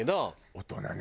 大人ね。